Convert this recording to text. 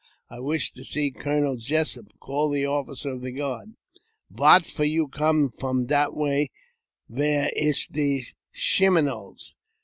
" I wish to see Colonel Jessup. Call the officer of th guard." " Vat for you come from dat way vere ish de Schimynoles?